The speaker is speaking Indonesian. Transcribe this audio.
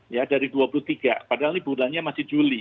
ya dari dua puluh tiga padahal ini bulannya masih juli